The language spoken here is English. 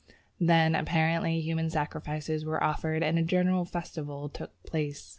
Then, apparently, human sacrifices were offered and a general festival took place.